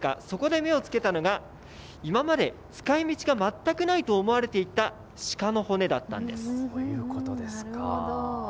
そこで目をつけたのが、今まで使いみちが全くないと思われていた鹿の骨だったんです。